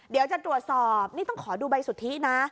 เดี๋ยวจะตรวจสอบนี่ต้องขอดูใบสุทธินะ